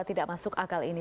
tidak masuk akal ini